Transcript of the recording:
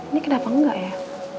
ini kenapa enggak ya